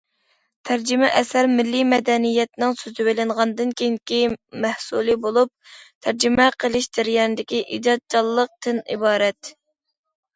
تەرجىمە ئەسەر مىللىي مەدەنىيەتنىڭ سۈزۈۋېلىنغاندىن كېيىنكى مەھسۇلى بولۇپ، تەرجىمە قىلىش جەريانىدىكى« ئىجادچانلىق» تىن ئىبارەت.